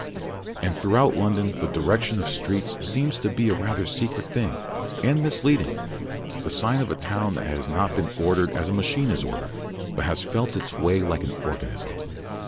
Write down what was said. And throughout London the direction of streets seems to be a rather secret thing, and misleading the sign of a town that has not been ordered as a machine is ordered, but has felt its way like an organism.